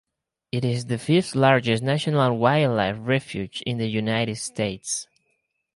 It is the fifth-largest national wildlife refuge in the United States.